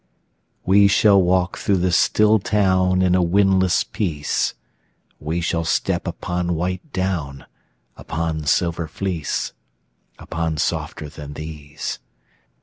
We shall walk through the still town In a windless peace; We shall step upon white down, Upon silver fleece, Upon softer than these.